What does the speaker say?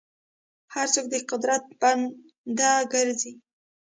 هر څوک د قدرت بنده ګرځي.